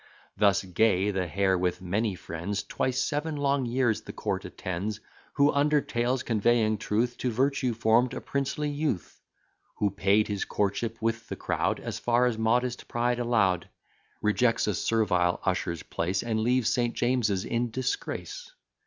Thus Gay, the hare with many friends, Twice seven long years the court attends: Who, under tales conveying truth, To virtue form'd a princely youth: Who paid his courtship with the crowd, As far as modest pride allow'd; Rejects a servile usher's place, And leaves St. James's in disgrace.